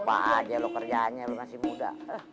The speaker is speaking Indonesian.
aja lo kerjaannya masih muda